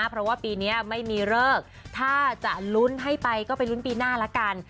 เพราะว่าปีนี้ไม่มีเลิกถ้าจะลุ้นให้ไปก็ไปลุ้นปีหน้าละกัน